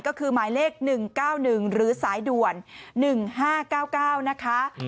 ก็คือหมายเลข๑๙๑หรือสายด่วน๑๕๙๙นะคะ